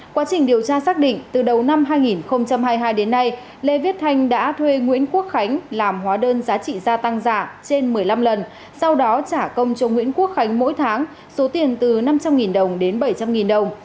quá trình điều tra xác định từ đầu năm hai nghìn hai mươi hai đến nay lê viết thanh đã thuê nguyễn quốc khánh làm hóa đơn giá trị gia tăng giả trên một mươi năm lần sau đó trả công cho nguyễn quốc khánh mỗi tháng số tiền từ năm trăm linh đồng đến bảy trăm linh đồng